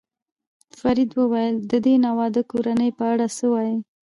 فرید وویل: د دې ناواده کورنۍ په اړه څه وایې؟